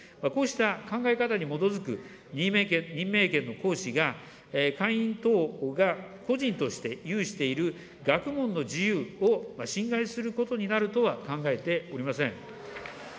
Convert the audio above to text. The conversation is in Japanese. こうした考え方に基づく任命権の行使が、会員等が個人として有している学問の自由を侵害することになるとは考えておりません。